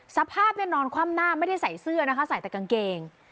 สภาพเนี่ยนอนคว่ำหน้าไม่ได้ใส่เสื้อนะคะใส่แต่กางเกง